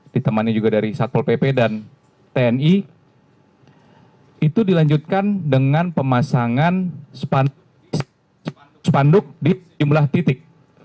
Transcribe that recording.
ditemani juga dari satpol pp dan tni itu dilanjutkan dengan pemasangan spanduk di jumlah titik